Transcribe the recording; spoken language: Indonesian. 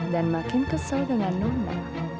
dan makin kesel dengan nona